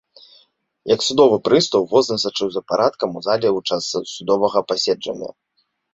Як судовы прыстаў возны сачыў за парадкам у зале ў час судовага паседжання.